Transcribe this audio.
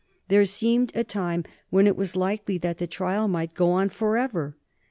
There seemed a time when it was likely that the trial might go on forever.